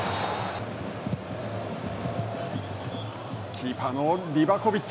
キーパーのリバコビッチ。